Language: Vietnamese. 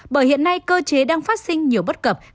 bởi hiện nay cơ chế đang phát sinh nhiều bất cập